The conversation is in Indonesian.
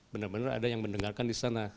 benar benar ada yang mendengarkan di sana